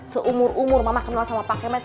seumur umur mama kenal sama pak kemen